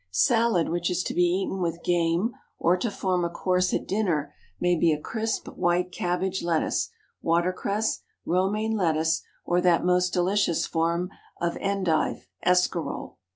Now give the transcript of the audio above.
Salad which is to be eaten with game or to form a course at dinner may be a crisp white cabbage lettuce, water cress, Romaine lettuce, or that most delicious form of endive, escarole.